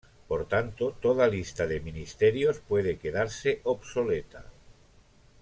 Por tanto toda lista de ministerios puede quedarse obsoleta.